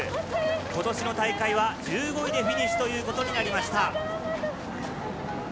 今年の大会は１５位でフィニッシュとなりました。